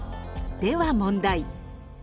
では問題。